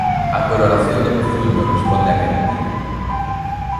A coloración do pezuño responde á queratina.